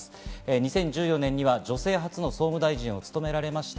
２０１４年には女性初めての総務大臣を務められました。